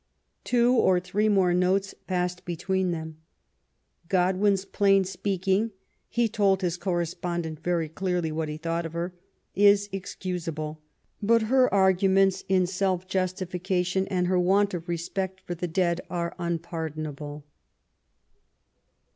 Two or three more notes passed between them. Godwin's plain speaking — he told his correspondent very clearly what he thought of her — is excusable. But her argu ments in self justification and her want of respect for the dead are unpardonable.